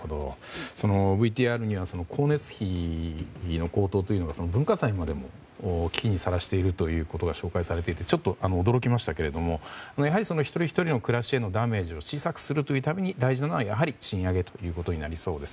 ＶＴＲでは光熱費の高騰が文化財までも危機にさらしているということが紹介されていてちょっと驚きましたけどもやはり一人ひとりの暮らしへのダメージを小さくするためにはやはり賃上げということになりそうです。